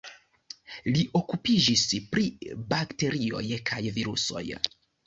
Li okupiĝis pri bakterioj kaj virusoj.